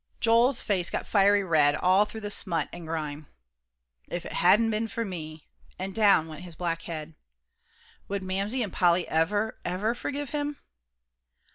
Joel's face got fiery red, all through the smut and grime. "If it hadn't been for me!" and down went his black head. "Would Mamsie and Polly ever, ever forgive him?"